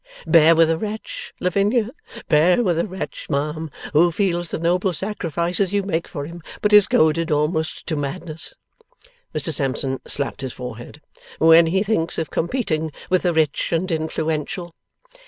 Bear with a wretch, Lavinia, bear with a wretch, ma'am, who feels the noble sacrifices you make for him, but is goaded almost to madness,' Mr Sampson slapped his forehead, 'when he thinks of competing with the rich and influential.